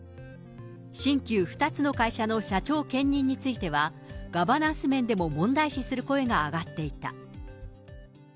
新旧２つの会社の社長兼任については、ガバナンス面でも問題視する声が上がっていた。